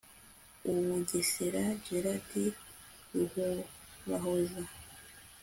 Ubugesera Gerardi Ruhorahoza